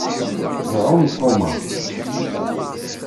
Iɛum Thomas.